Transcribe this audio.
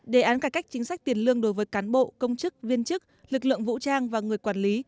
đề án cải cách chính sách tiền lương đối với cán bộ công chức viên chức lực lượng vũ trang và người quản lý